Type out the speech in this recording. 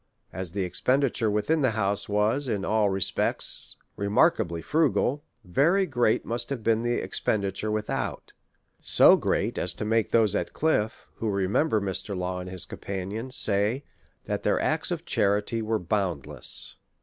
As the expenditure within the house was, in all re spects, remarkably frugal, very great must have been the expenditure without; so great as to make those at Cliffe, who remember Mr. Law and his companions, say, that their acts of charity were boundless.